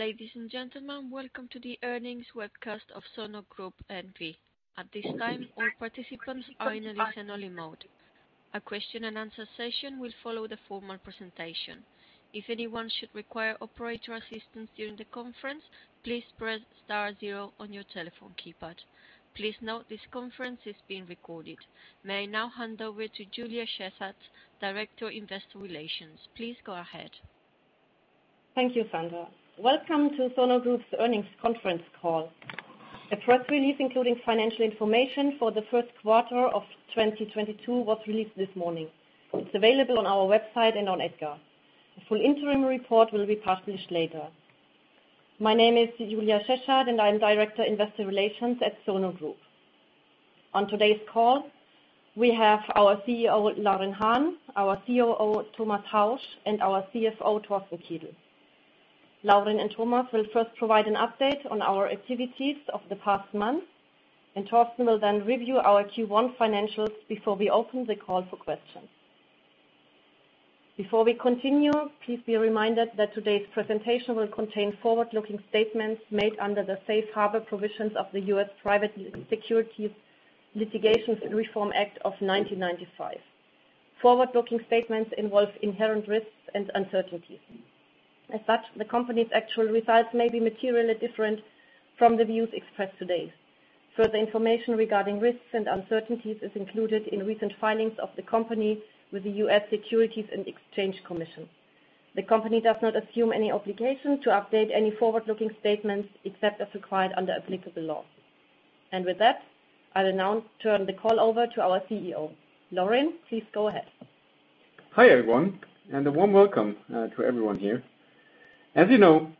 Ladies and gentlemen, welcome to the earnings webcast of Sono Group N.V. At this time, all participants are in a listen-only mode. A question-and-answer session will follow the formal presentation. If anyone should require operator assistance during the conference, please press star zero on your telephone keypad. Please note this conference is being recorded. May I now hand over to Julia Szeszat, Director, Investor Relations. Please go ahead. Thank you, Sandra. Welcome to Sono Group's earnings conference call. A press release, including financial information for the first quarter of 2022 was released this morning. It's available on our website and on EDGAR. A full interim report will be published later. My name is Julia Szeszat, and I'm Director, Investor Relations at Sono Group. On today's call, we have our CEO, Laurin Hahn, our COO, Thomas Hausch, and our CFO, Torsten Kiedel. Laurin and Thomas will first provide an update on our activities of the past month, and Torsten will then review our Q1 financials before we open the call for questions. Before we continue, please be reminded that today's presentation will contain forward-looking statements made under the safe harbor provisions of the U.S. Private Securities Litigation Reform Act of 1995. Forward-looking statements involve inherent risks and uncertainties. As such, the company's actual results may be materially different from the views expressed today. Further information regarding risks and uncertainties is included in recent filings of the company with the U.S. Securities and Exchange Commission. The company does not assume any obligation to update any forward-looking statements, except as required under applicable laws. With that, I'll now turn the call over to our Chief Executive Officer. Laurin, please go ahead. Hi, everyone, and a warm welcome to everyone here. As you know,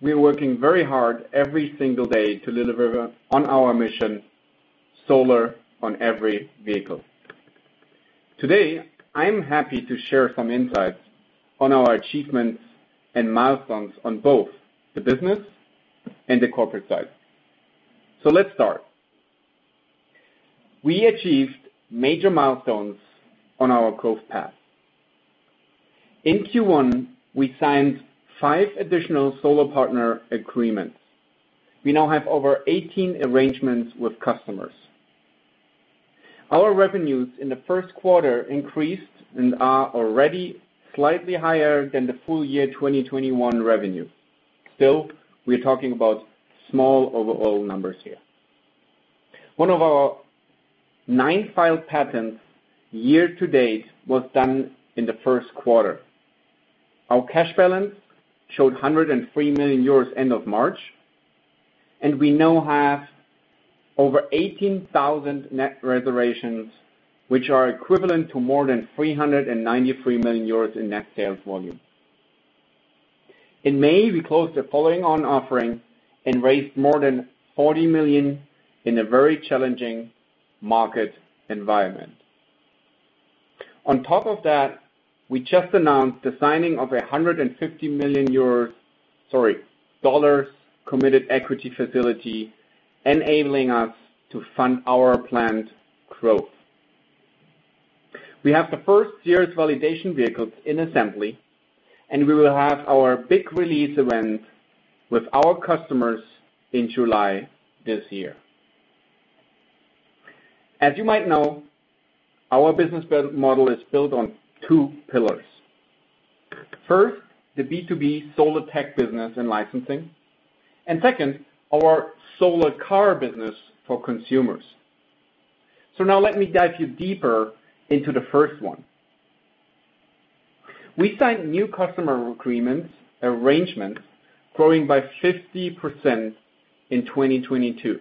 we are working very hard every single day to deliver on our mission, solar on every vehicle. Today, I'm happy to share some insights on our achievements and milestones on both the business and the corporate side. Let's start. We achieved major milestones on our growth path. In Q1, we signed 5 additional solar partner agreements. We now have over 18 arrangements with customers. Our revenues in the first quarter increased and are already slightly higher than the full year 2021 revenue. Still, we're talking about small overall numbers here. One of our 9 filed patents year to date was done in the first quarter. Our cash balance showed 103 million euros end of March, and we now have over 18,000 net reservations, which are equivalent to more than 393 million euros in net sales volume. In May, we closed a follow-on offering and raised more than $40 million in a very challenging market environment. On top of that, we just announced the signing of a $150 million committed equity facility, enabling us to fund our planned growth. We have the first series validation vehicles in assembly, and we will have our big release event with our customers in July this year. As you might know, our business model is built on two pillars. First, the B2B solar tech business and licensing. Second, our solar car business for consumers. Now let me dive you deeper into the first one. We signed new customer agreements, arrangements growing by 50% in 2022.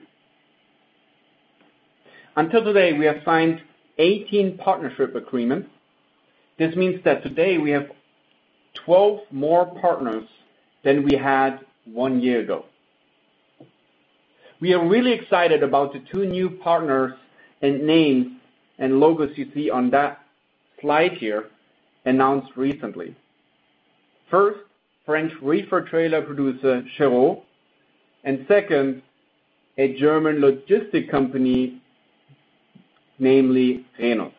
Until today, we have signed 18 partnership agreements. This means that today we have 12 more partners than we had one year ago. We are really excited about the two new partners and names and logos you see on that slide here announced recently. First, French reefer trailer producer CHEREAU, and second, a German logistics company, namely Rhenus.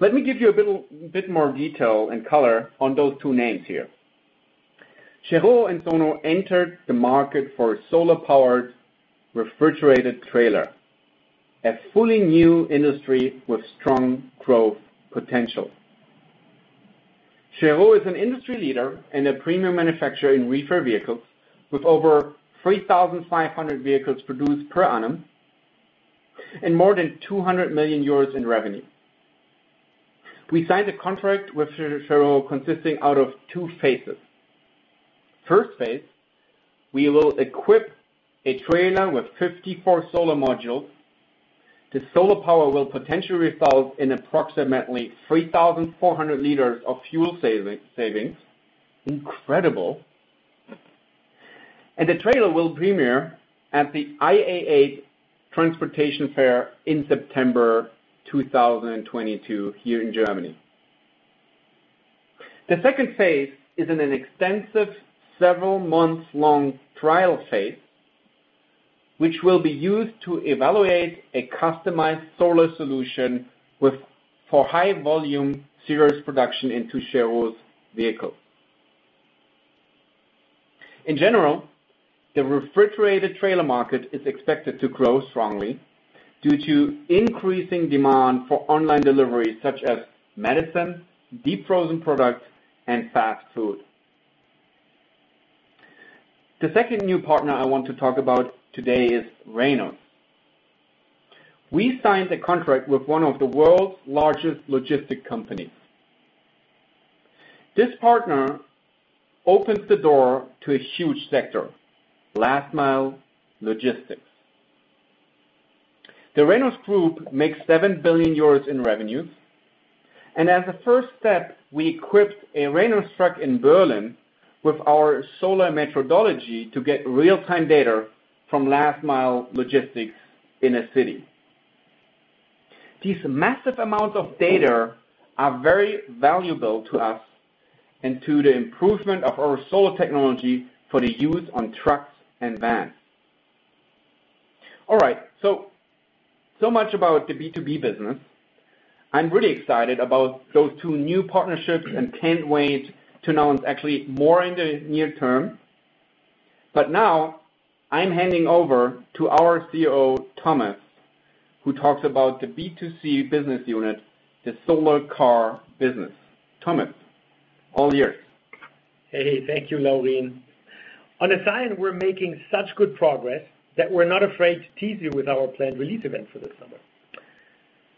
Let me give you a little bit more detail and color on those two names here. CHEREAU and Sono entered the market for solar-powered refrigerated trailer, a fully new industry with strong growth potential. CHEREAU is an industry leader and a premium manufacturer in reefer vehicles with over 3,500 vehicles produced per annum and more than 200 million euros in revenue. We signed a contract with CHEREAU consisting out of two phases. First phase, we will equip a trailer with 54 solar modules. The solar power will potentially result in approximately 3,400 liters of fuel savings. Incredible. The trailer will premiere at the IAA Transportation Fair in September 2022 here in Germany. The second phase is an extensive several months-long trial phase which will be used to evaluate a customized solar solution for high volume series production into CHEREAU's vehicles. In general, the refrigerated trailer market is expected to grow strongly due to increasing demand for online delivery, such as medicine, deep frozen products, and fast food. The second new partner I want to talk about today is Rhenus. We signed a contract with one of the world's largest logistics companies. This partner opens the door to a huge sector, last mile logistics. The Rhenus Group makes 7 billion euros in revenue, as a first step, we equipped a Rhenus truck in Berlin with our solar methodology to get real-time data from last mile logistics in a city. These massive amounts of data are very valuable to us and to the improvement of our solar technology for the use on trucks and vans. All right, so much about the B2B business. I'm really excited about those two new partnerships and can't wait to announce actually more in the near term. Now I'm handing over to our COO, Thomas, who talks about the B2C business unit, the solar car business. Thomas, all yours. Hey, thank you, Laurin. On the Sion we're making such good progress that we're not afraid to tease you with our planned release event for this summer.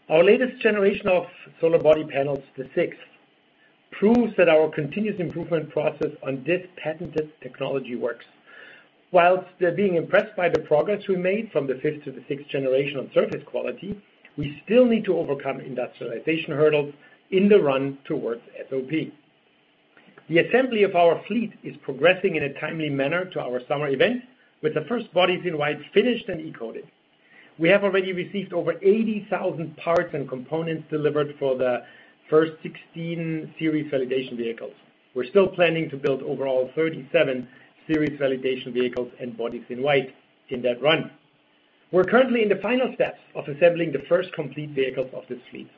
Our latest generation of solar body panels, the sixth, proves that our continuous improvement process on this patented technology works. While they're being impressed by the progress we made from the 5th to the 6th generation on surface quality, we still need to overcome industrialization hurdles in the run towards SOP. The assembly of our fleet is progressing in a timely manner to our summer event, with the first bodies in white finished and e-coated. We have already received over 80,000 parts and components delivered for the first 16 series validation vehicles. We're still planning to build overall 37 series validation vehicles and bodies in white in that run. We're currently in the final steps of assembling the first complete vehicles of this fleet.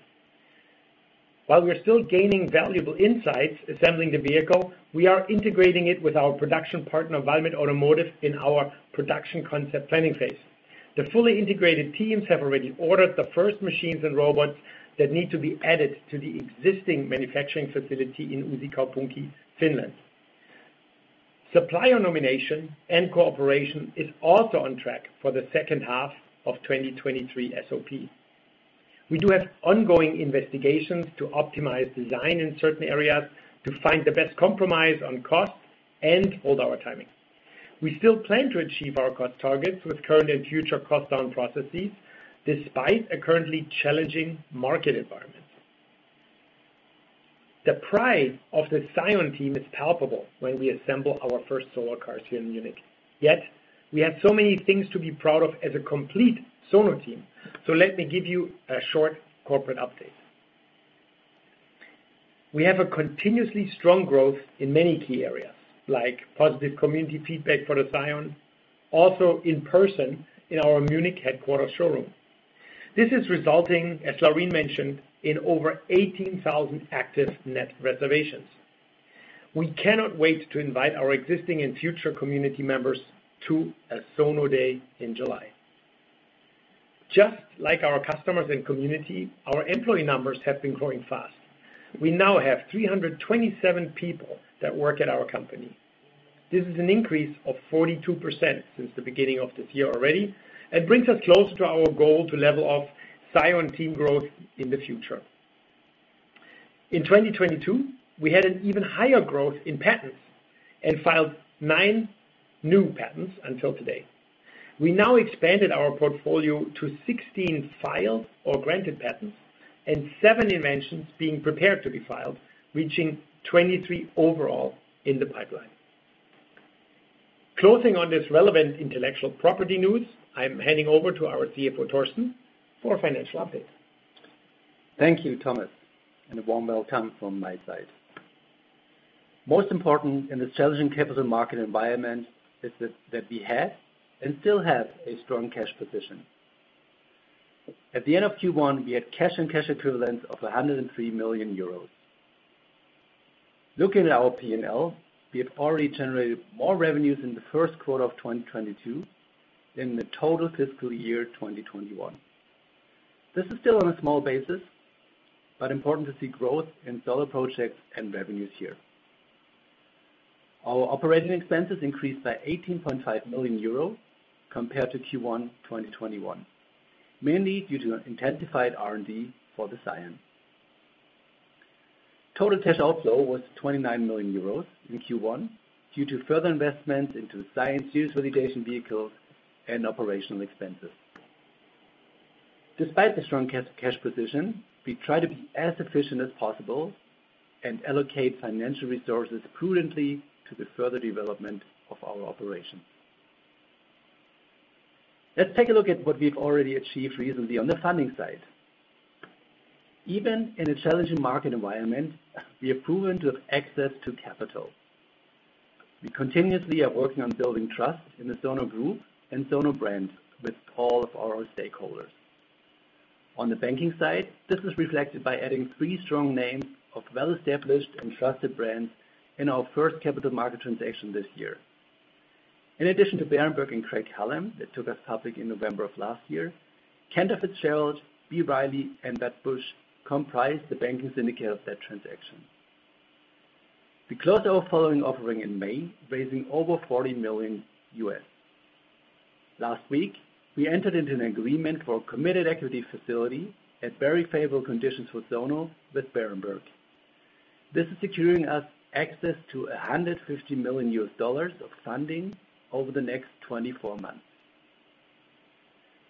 While we're still gaining valuable insights assembling the vehicle, we are integrating it with our production partner, Valmet Automotive, in our production concept planning phase. The fully integrated teams have already ordered the first machines and robots that need to be added to the existing manufacturing facility in Uusikaupunki, Finland. Supplier nomination and cooperation is also on track for the second half of 2023 SOP. We do have ongoing investigations to optimize design in certain areas to find the best compromise on cost and hold our timing. We still plan to achieve our cost targets with current and future cost down processes, despite a currently challenging market environment. The pride of the Sion team is palpable when we assemble our first solar cars here in Munich. Yet, we have so many things to be proud of as a complete Sono team, so let me give you a short corporate update. We have a continuously strong growth in many key areas, like positive community feedback for the Sion, also in person in our Munich headquarters showroom. This is resulting, as Laurin mentioned, in over 18,000 active net reservations. We cannot wait to invite our existing and future community members to a Sono Day in July. Just like our customers and community, our employee numbers have been growing fast. We now have 327 people that work at our company. This is an increase of 42% since the beginning of this year already, and brings us closer to our goal to level off Sion team growth in the future. In 2022, we had an even higher growth in patents and filed 9 new patents until today. We now expanded our portfolio to 16 filed or granted patents and 7 inventions being prepared to be filed, reaching 23 overall in the pipeline. Closing on this relevant intellectual property news, I'm handing over to our CFO, Torsten, for a financial update. Thank you, Thomas, and a warm welcome from my side. Most important in this challenging capital market environment is that we have and still have a strong cash position. At the end of Q1, we had cash and cash equivalents of 103 million euros. Looking at our P&L, we have already generated more revenues in the first quarter of 2022 than the total fiscal year 2021. This is still on a small basis, but important to see growth in solar projects and revenues here. Our operating expenses increased by 18.5 million euro compared to Q1 2021, mainly due to an intensified R&D for the Sion. Total cash outflow was 29 million euros in Q1 due to further investments into Sion series validation vehicles and operational expenses. Despite the strong cash position, we try to be as efficient as possible and allocate financial resources prudently to the further development of our operations. Let's take a look at what we've already achieved recently on the funding side. Even in a challenging market environment, we have proven to have access to capital. We continuously are working on building trust in the Sono Group and Sono brand with all of our stakeholders. On the banking side, this is reflected by adding three strong names of well-established and trusted brands in our first capital market transaction this year. In addition to Berenberg and Craig-Hallum, that took us public in November of last year, Cantor Fitzgerald, B. Riley and Wedbush comprise the banking syndicate of that transaction. We closed our following offering in May, raising over $40 million. Last week, we entered into an agreement for a committed equity facility at very favorable conditions for Sono with Berenberg. This is securing us access to $150 million of funding over the next 24 months.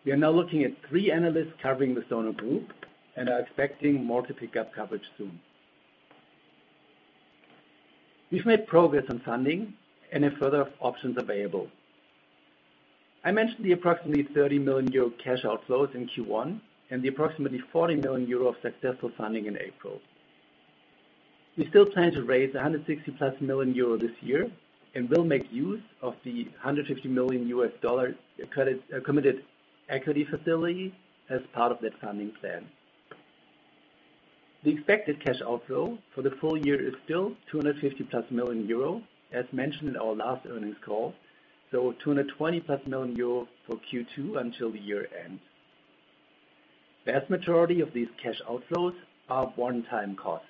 We are now looking at three analysts covering the Sono Group and are expecting more to pick up coverage soon. We've made progress on funding and have further options available. I mentioned the approximately 30 million euro cash outflows in Q1 and the approximately 40 million euro of successful funding in April. We still plan to raise 160+ million euro this year and will make use of the $150 million credit, committed equity facility as part of that funding plan. The expected cash outflow for the full year is still 250+ million euro, as mentioned in our last earnings call. 220+ million euro for Q2 until the year ends. Vast majority of these cash outflows are one-time costs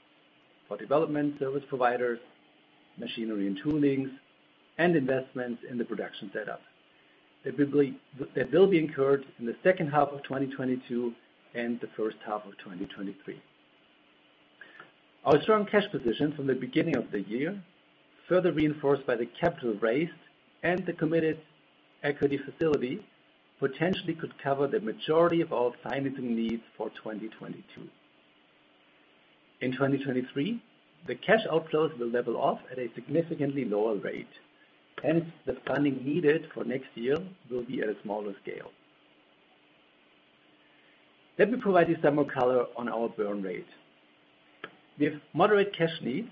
for development service providers, machinery and toolings, and investments in the production setup. They will be incurred in the second half of 2022 and the first half of 2023. Our strong cash position from the beginning of the year, further reinforced by the capital raised and the committed equity facility, potentially could cover the majority of our financing needs for 2022. In 2023, the cash outflows will level off at a significantly lower rate, hence the funding needed for next year will be at a smaller scale. Let me provide you some more color on our burn rate. We have moderate cash needs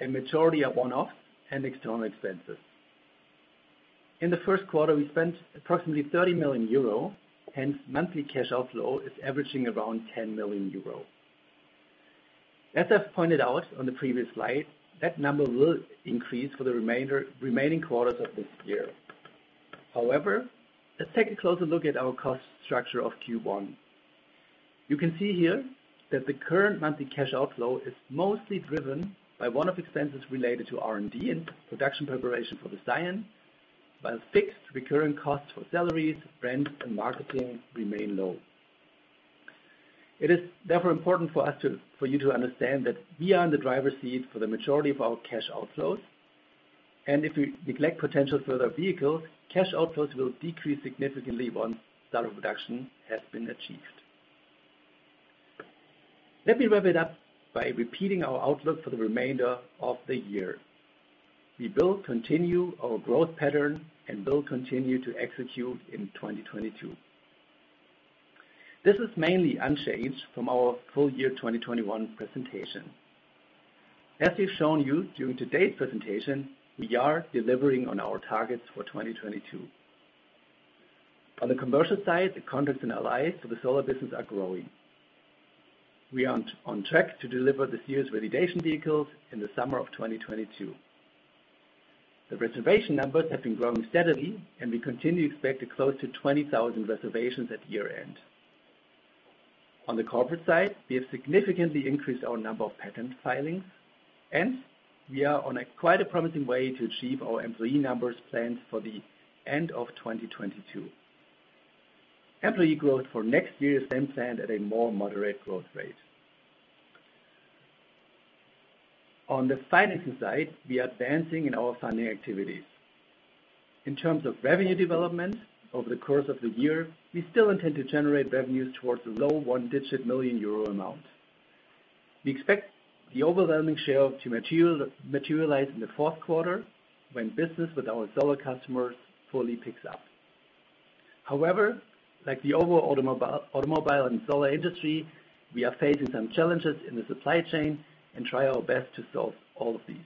and majority are one-offs and external expenses. In the first quarter, we spent approximately 30 million euro, hence monthly cash outflow is averaging around 10 million euro. As I've pointed out on the previous slide, that number will increase for the remaining quarters of this year. However, let's take a closer look at our cost structure of Q1. You can see here that the current monthly cash outflow is mostly driven by one-off expenses related to R&D and production preparation for the Sion, while fixed recurring costs for salaries, rent, and marketing remain low. It is therefore important for you to understand that we are in the driver's seat for the majority of our cash outflows, and if we neglect potential further vehicles, cash outflows will decrease significantly once start of production has been achieved. Let me wrap it up by repeating our outlook for the remainder of the year. We will continue our growth pattern and will continue to execute in 2022. This is mainly unchanged from our full year 2021 presentation. As we've shown you during today's presentation, we are delivering on our targets for 2022. On the commercial side, the contracts and LOIs for the solar business are growing. We are on track to deliver the series validation vehicles in the summer of 2022. The reservation numbers have been growing steadily, and we continue to expect close to 20,000 reservations at year-end. On the corporate side, we have significantly increased our number of patent filings, and we are on quite a promising way to achieve our employee numbers plans for the end of 2022. Employee growth for next year is then planned at a more moderate growth rate. On the financing side, we are advancing in our funding activities. In terms of revenue development over the course of the year, we still intend to generate revenues towards the low one-digit million euro amount. We expect the overwhelming share to materialize in the fourth quarter, when business with our solar customers fully picks up. However, like the overall automobile and solar industry, we are facing some challenges in the supply chain and try our best to solve all of these.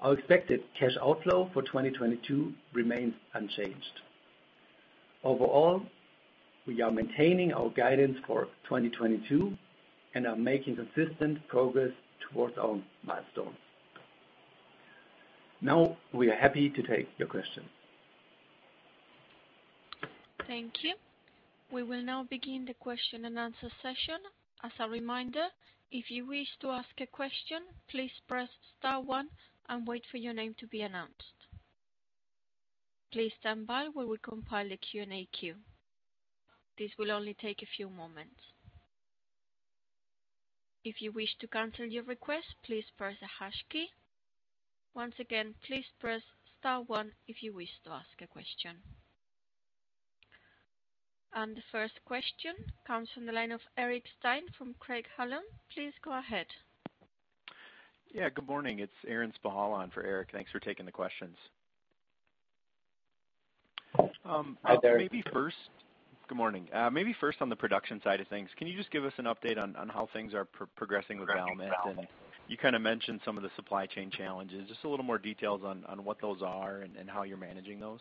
Our expected cash outflow for 2022 remains unchanged. Overall, we are maintaining our guidance for 2022 and are making consistent progress towards our milestones. Now we are happy to take your questions. Thank you. We will now begin the question-and-answer session. As a reminder, if you wish to ask a question, please press star one and wait for your name to be announced. Please stand by. We will compile a Q&A queue. This will only take a few moments. If you wish to cancel your request, please press the hash key. Once again, please press star one if you wish to ask a question. The first question comes from the line of Eric Stine from Craig-Hallum. Please go ahead. Yeah, good morning. It's Aaron Spychalla on for Eric. Thanks for taking the questions. Maybe first on the production side of things. Can you just give us an update on how things are progressing with Valmet? You kinda mentioned some of the supply chain challenges. Just a little more details on what those are and how you're managing those.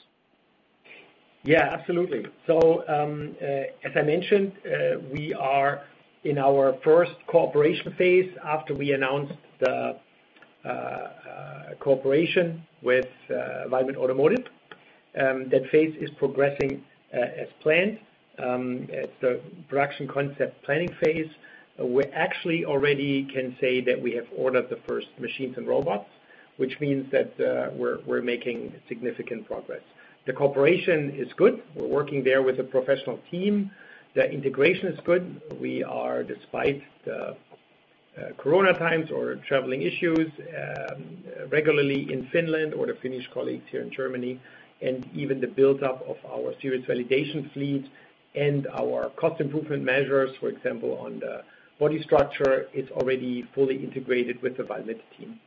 Yeah, absolutely. As I mentioned, we are in our first cooperation phase after we announced the cooperation with Valmet Automotive. That phase is progressing as planned. As the production concept planning phase, we actually already can say that we have ordered the first machines and robots, which means that we're making significant progress. The cooperation is good. We're working there with a professional team. The integration is good. We are, despite the corona times or traveling issues, regularly in Finland, or the Finnish colleagues here in Germany, and even the buildup of our series validation fleet and our cost improvement measures, for example, on the body structure, it's already fully integrated with the Valmet team.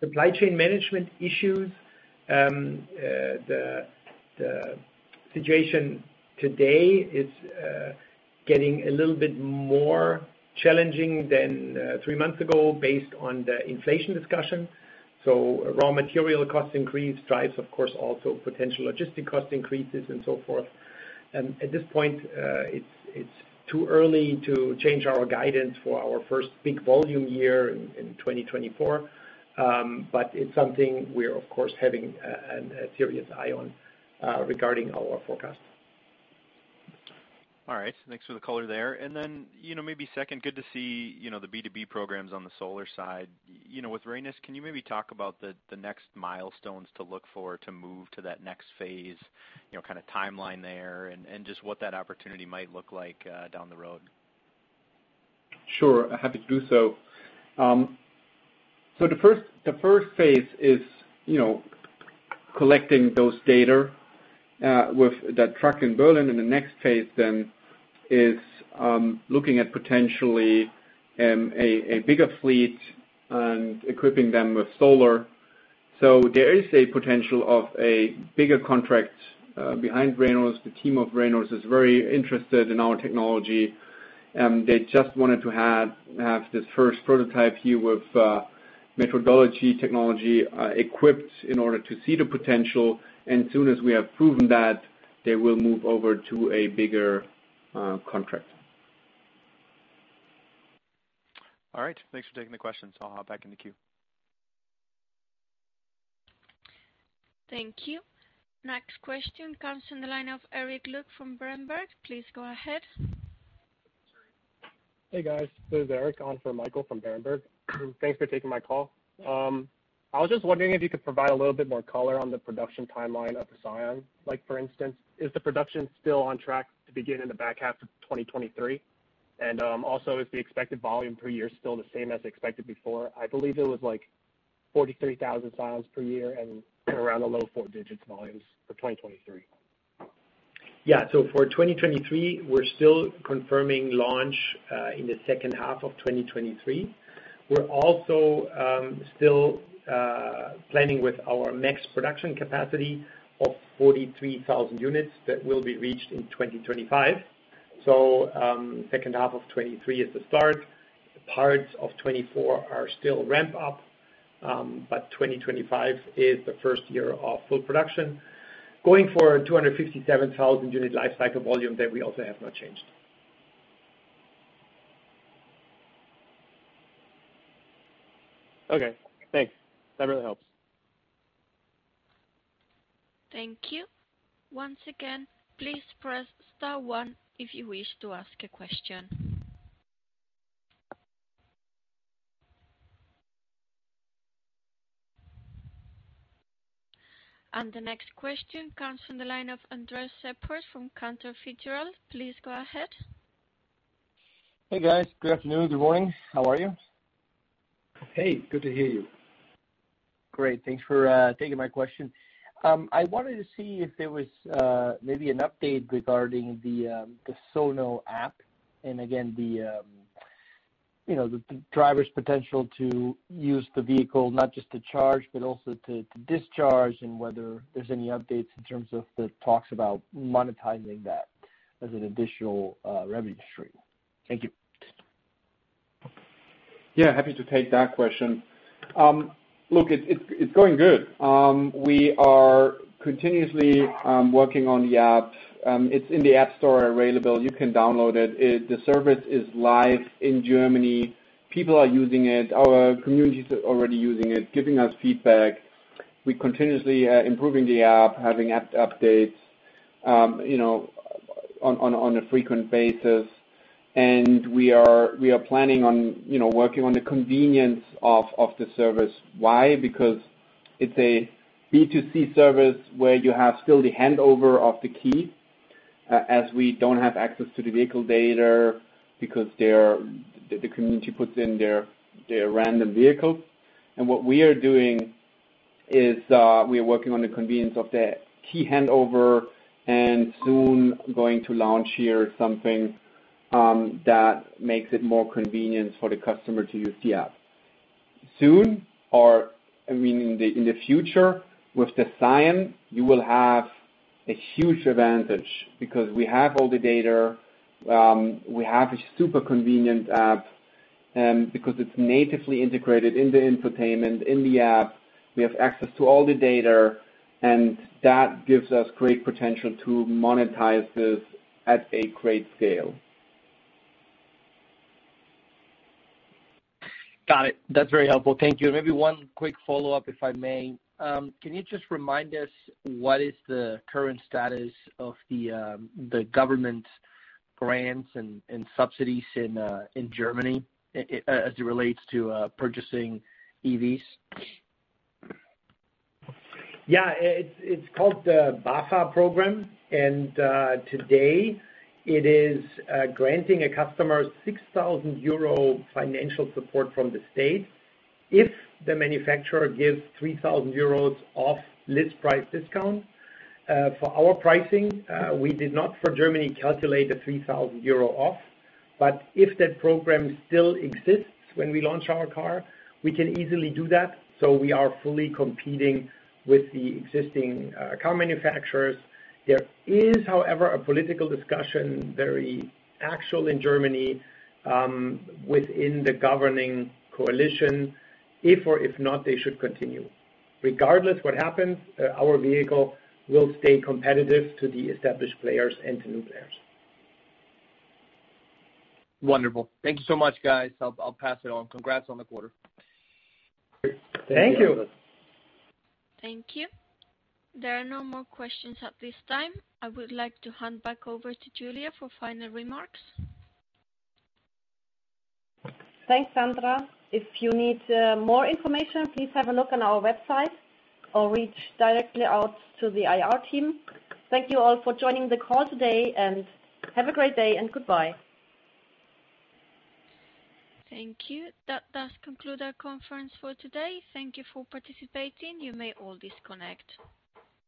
Supply chain management issues, the situation today is getting a little bit more challenging than three months ago based on the inflation discussion. Raw material cost increase drives, of course, also potential logistics cost increases and so forth. At this point, it's too early to change our guidance for our first big volume year in 2024, but it's something we're of course having a serious eye on regarding our forecast. All right. Thanks for the color there. You know, maybe second, good to see, you know, the B2B programs on the solar side. You know, with Rhenus, can you maybe talk about the next milestones to look for to move to that next phase, you know, kinda timeline there, and just what that opportunity might look like down the road? Sure. Happy to do so. The first phase is, you know, collecting those data with that truck in Berlin, and the next phase then is looking at potentially a bigger fleet and equipping them with solar. There is a potential of a bigger contract behind Rhenus. The team of Rhenus is very interested in our technology. They just wanted to have this first prototype here with Metrology technology equipped in order to see the potential. As soon as we have proven that, they will move over to a bigger contract. All right. Thanks for taking the questions. I'll hop back in the queue. Thank you. Next question comes from the line of Erik Look from Berenberg. Please go ahead. Hey, guys. This is Erik on for Michael from Berenberg. Thanks for taking my call. I was just wondering if you could provide a little bit more color on the production timeline of the Sion. Like for instance, is the production still on track to begin in the back half of 2023? Also, is the expected volume per year still the same as expected before? I believe it was like 43,000 Sions per year and around the low four digits volumes for 2023. Yeah. For 2023, we're still confirming launch in the second half of 2023. We're also still planning with our max production capacity of 43,000 units that will be reached in 2025. Second half of 2023 is the start. The parts of 2024 are still ramp up, but 2025 is the first year of full production. Going for 257,000 unit life cycle volume that we also have not changed. Okay, thanks. That really helps. Thank you. Once again, please press star one if you wish to ask a question. The next question comes from the line of Andres Sheppard from Cantor Fitzgerald. Please go ahead. Hey, guys. Good afternoon. Good morning. How are you? Hey, good to hear you. Great. Thanks for taking my question. I wanted to see if there was maybe an update regarding the Sono app. Again, you know, the driver's potential to use the vehicle not just to charge, but also to discharge, and whether there's any updates in terms of the talks about monetizing that as an additional revenue stream. Thank you. Yeah, happy to take that question. Look, it's going good. We are continuously working on the app. It's in the App Store available. You can download it. The service is live in Germany. People are using it. Our communities are already using it, giving us feedback. We continuously improving the app, having app updates, you know, on a frequent basis. We are planning on, you know, working on the convenience of the service. Why? Because it's a B2C service where you have still the handover of the key, as we don't have access to the vehicle data because the community puts in their random vehicles. What we are doing is we are working on the convenience of the key handover and soon going to launch here something that makes it more convenient for the customer to use the app. Soon or, I mean, in the future with the Sion, you will have a huge advantage because we have all the data. We have a super convenient app because it's natively integrated in the infotainment, in the app, we have access to all the data, and that gives us great potential to monetize this at a great scale. Got it. That's very helpful. Thank you. Maybe one quick follow-up, if I may. Can you just remind us what is the current status of the government grants and subsidies in Germany as it relates to, purchasing EVs? Yeah. It's called the BAFA program, and today it is granting a customer 6,000 euro financial support from the state if the manufacturer gives 3,000 euros off list price discount. For our pricing, we did not for Germany calculate the 3,000 euro off, but if that program still exists when we launch our car, we can easily do that, so we are fully competing with the existing car manufacturers. There is, however, a political discussion, very actual in Germany, within the governing coalition, if or not they should continue. Regardless what happens, our vehicle will stay competitive to the established players and to new players. Wonderful. Thank you so much, guys. I'll pass it on. Congrats on the quarter. Thank you. Thank you. There are no more questions at this time. I would like to hand back over to Julia for final remarks. Thanks, Sandra. If you need more information, please have a look on our website or reach directly out to the IR team. Thank you all for joining the call today, and have a great day and goodbye. Thank you. That does conclude our conference for today. Thank you for participating. You may all disconnect.